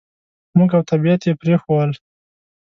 موږ او طبعیت یې پرېښوول.